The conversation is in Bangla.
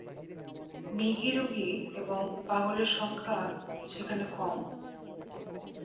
মৃগীরোগী এবং পাগলের সংখ্যাও সেখানে কম।